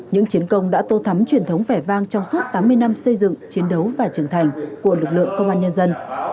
những chiến công đã tô thắm truyền thống vẻ vang trong suốt tám mươi năm xây dựng chiến đấu và trưởng thành của lực lượng công an nhân dân